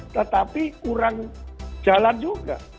tetapi kurang jalan juga